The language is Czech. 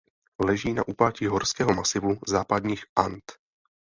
Leží na úpatí horského masivu západních And.